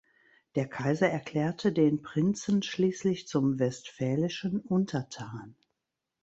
Der Kaiser erklärte den Prinzen schließlich zum westphälischen Untertan.